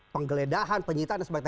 penggeledahan penyitahan dan sebagainya